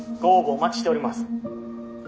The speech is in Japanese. お待ちしております。